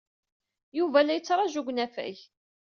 Yuba la yettṛaju deg unafag.